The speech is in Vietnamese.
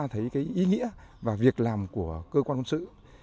thấy cái ý nghĩa và việc làm của cơ quan quân sự